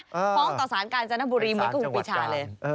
ฟ้องต่อสารกาญจนบุรีเหมือนกับครูปีชาเลย